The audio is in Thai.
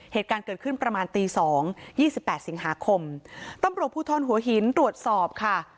เหตุการณ์เกิดขึ้นประมาณตี๒๒๘สิงหาคมตำรวจผู้ทอนหัวหินตรวจสอบค่ะ